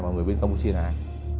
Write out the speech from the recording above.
và người bên campuchia là ai